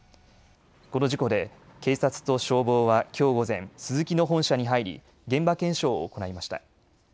この事故で警察と消防はきょう午前、スズキの本社に入り現場検証を行いました。